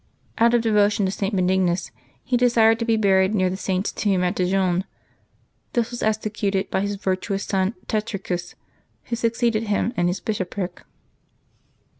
Out of devotion to St. Benignus, he desired to be buried near that Saint's tomb at Dijon; this was executed by his virtuous son Tetricus, who succeeded him in his bishopric.